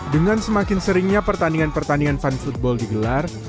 dengan semakin seringnya pertandingan pertandingan fun football digelar